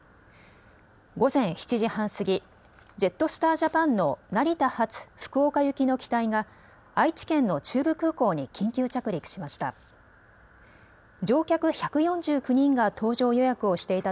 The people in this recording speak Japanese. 午前７時半過ぎ、ジェットスター・ジャパンの成田発、福岡行きの機体が愛知県の中部空港に緊急着陸しました。